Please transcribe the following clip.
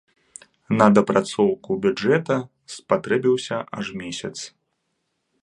На дапрацоўку бюджэта спатрэбіўся аж месяц.